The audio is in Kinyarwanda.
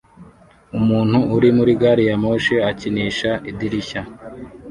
Umuntu uri muri gari ya moshi akinisha idirishya